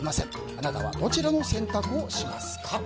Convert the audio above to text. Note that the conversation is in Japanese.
あなたはどちらの選択をしますか？